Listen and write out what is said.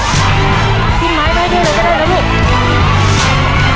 พิมพ์พิมพ์พิมพ์มาช่วยหน่อยก็ได้นะ